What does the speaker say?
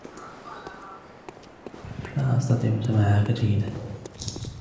لا أستطيع سماعك جيدا